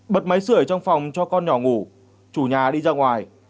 bật máy sửa trong phòng cho con nhỏ ngủ chủ nhà đi ra ngoài